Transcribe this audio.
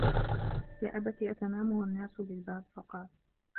يَا أَبَتِ أَتَنَامُ وَالنَّاسُ بِالْبَابِ ؟ فَقَالَ